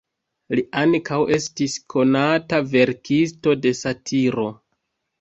Li ankaŭ estis konata verkisto de satiro.